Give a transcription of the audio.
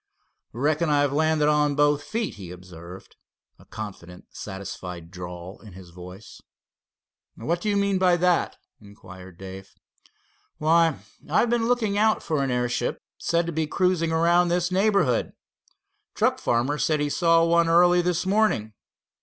"Reckon I've landed on both feet," he observed, a confident, satisfied drawl in his voice. "What do you mean by that?" inquired Dave. "Why, I've been looking out for an airship said to be cruising around this neighborhood. Truck farmer said he saw one early this morning.